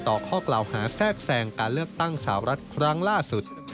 ข้อกล่าวหาแทรกแทรงการเลือกตั้งสาวรัฐครั้งล่าสุด